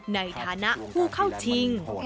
ในฐานะผู้เข้าชิง